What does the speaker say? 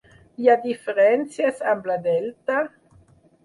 Hi ha diferències amb la delta?